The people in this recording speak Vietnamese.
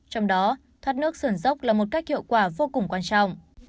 trong đó thoát nước sườn dốc là một cách hiệu quả vô cùng quan trọng